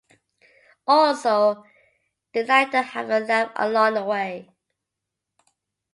Also, they like to have a laugh along the way.